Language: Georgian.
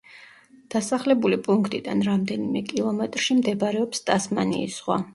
დასახლებული პუნქტიდან რამდენიმე კილომეტრში მდებარეობს ტასმანიის ზღვა.